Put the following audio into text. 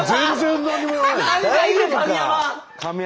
神山。